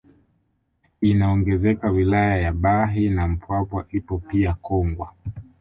Inaongezeka wilaya ya Bahi na Mpwapwa ipo pia Kongwa